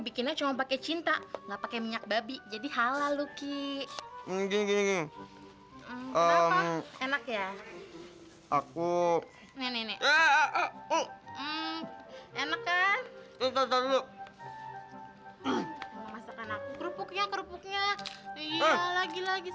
bikinnya cuma pakai cinta enggak pakai minyak babi jadi halal lucky mungkin enak ya aku ini